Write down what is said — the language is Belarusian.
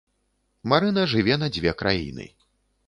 Марына жыве на дзве краіны.